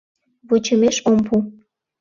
Вучымеш ом пу.